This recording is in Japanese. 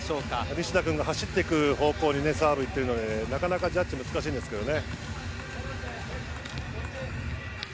西田君が走っていく方向にボールが行っているのでなかなかジャッジ難しいんですけどね。